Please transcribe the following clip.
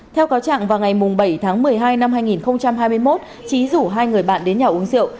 theo cáo trạng vào ngày bảy tháng một mươi hai năm hai nghìn hai mươi một trí rủ hai người bạn đến nhà uống rượu